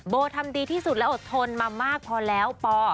ทำดีที่สุดและอดทนมามากพอแล้วปอ